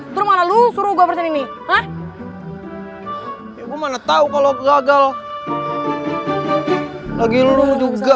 terus mana lo suruh gue bersini nih